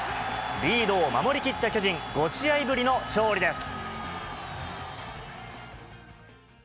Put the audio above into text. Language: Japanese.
リードを守りきった巨人、５試合ぶりの勝利です。